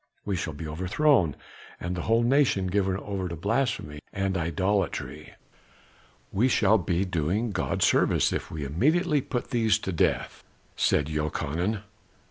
We shall be overthrown and the whole nation given over to blasphemy and idolatry." "We shall be doing God service if we immediately put these to death," said Jochanan.